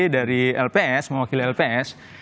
dari lps mewakili lps